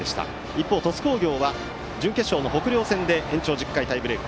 一方の鳥栖工業は準決勝の北稜戦で延長１０回タイブレーク。